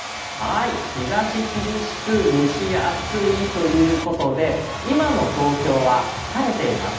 日ざし厳しく蒸し暑いということで、今の東京は晴れています。